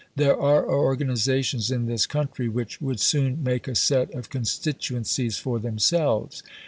There are organisations in this country which would soon make a set of constituencies for themselves.